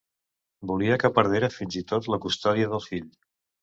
Volia que perdera fins i tot la custòdia del fill.